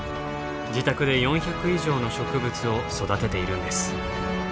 自宅で４００以上の植物を育てているんです。